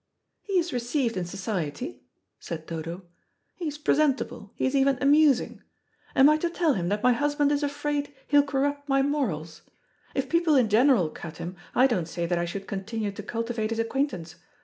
"He is received in society," said Dodo; "he is presentable, he is even amusing. Am I to tell him that my husband is afraid he'll corrupt my morals? If people in general cut him, I don't say that I should continue to cultivate his acquaintance.